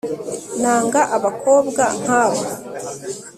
nanga abakobwa nkabo